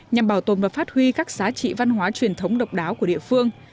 nhằm bảo tồn và phát huy các giá trị văn hóa truyền thống độc đáo của địa phương